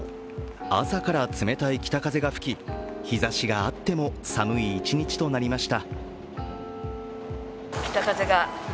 朝から冷たい北風が吹き、日ざしがあっても寒い一日となりました。